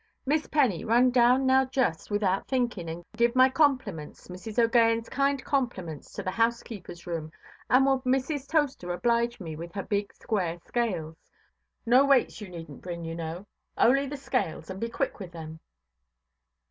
"Miss Penny, run down now just, without thinking, and give my compliments, Mrs. OʼGaghanʼs kind compliments to the housekeeperʼs room, and would Mrs. Toaster oblige me with her big square scales? No weights you neednʼt bring, you know. Only the scales, and be quick with them".